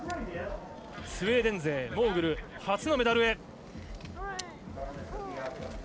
スウェーデン勢モーグル初のメダルへ。